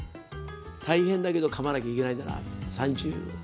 大変だけどかまなきゃいけないんだなって３０。